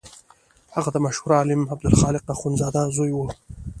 هغه د مشهور عالم عبدالخالق اخوندزاده زوی و.